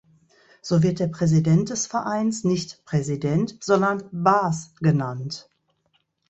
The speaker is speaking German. So wird der Präsident des Vereins nicht „Präsident“, sondern „Baas“ genannt.